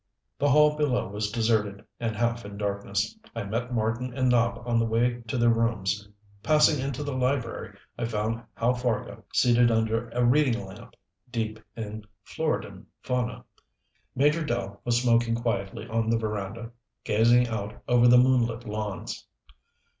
The hall below was deserted and half in darkness. I met Marten and Nopp on the way to their rooms: passing into the library I found Hal Fargo seated under a reading lamp, deep in "Floridan fauna." Major Dell was smoking quietly on the veranda, gazing out over the moonlit lawns.